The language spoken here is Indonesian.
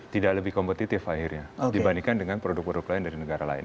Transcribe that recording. tidak lebih kompetitif akhirnya dibandingkan dengan produk produk lain dari negara lain